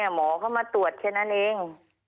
หมอเข้ามาตรวจแค่นั้นเอง